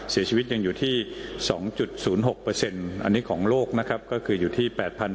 เสียชีวิตยังอยู่ที่๒๐๖อันนี้ของโลกนะครับก็คืออยู่ที่๘๐๐